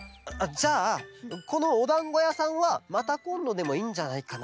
じゃあこのおだんごやさんはまたこんどでもいいんじゃないかな？